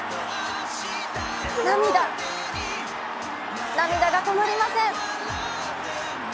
涙、涙が止まりません。